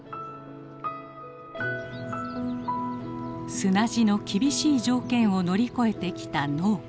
砂地の厳しい条件を乗り越えてきた農家。